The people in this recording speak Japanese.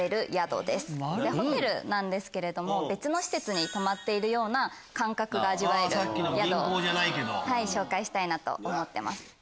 ホテルなんですけれども別の施設に泊まっているような感覚が味わえる宿を紹介したいなと思ってます。